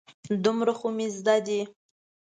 دومره خو مې زده ده.